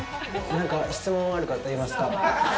何か質問ある方、いますか。